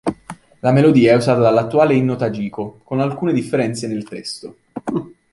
La melodia è usata dall’attuale inno tagiko, con alcune differenze nel testo.